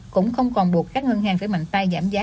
cũng không còn buộc các ngân hàng phải mạnh tay giảm giá